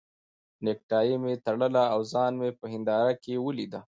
نېکټایي مې تړله او ځان مې په هنداره کې ولید.